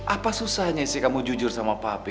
apa susahnya sih kamu jujur sama papi